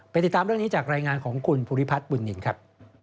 ติดตามเรื่องนี้จากรายงานของคุณภูริพัฒน์บุญนินครับ